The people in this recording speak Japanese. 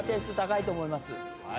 はい。